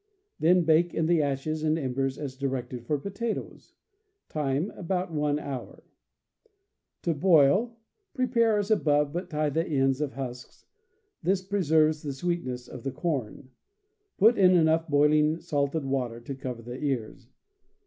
Then bake in the ashes and embers as directed for potatoes. Time, about one hour. CAMP COOKERY 157 To boil: prepare as above, but tie the ends of husks; this preserves the sweetness of the corn. Put in enough boiling salted w^ater to cover the ears.